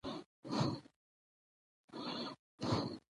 سړی د تجربې له لارې پخې پرېکړې کوي